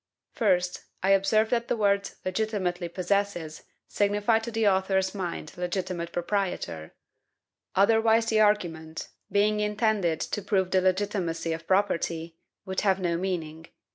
First, I observe that the words LEGITIMATELY POSSESSES signify to the author's mind is LEGITIMATE PROPRIETOR; otherwise the argument, being intended to prove the legitimacy of property, would have no meaning.